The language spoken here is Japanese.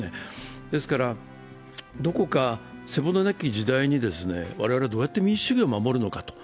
ですから、どこか背骨なき時代に我々はどうやって民主主義を守るのか。